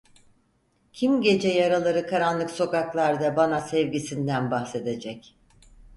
Kim gece yarıları karanlık sokaklarda bana sevgisinden bahsedecek?